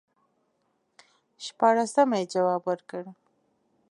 شپاړسمه یې جواب ورکړ.